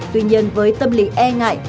tuy nhiên với tâm lý e ngại